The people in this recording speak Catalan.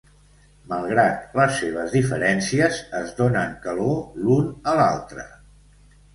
Malgrat les seves diferències, es donen calor l'un a l'altre.